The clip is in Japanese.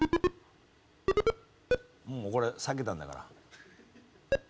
もうこれ避けたんだから。